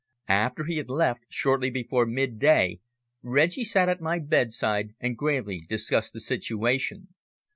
After he had left, shortly before midday, Reggie sat at my bedside and gravely discussed the situation.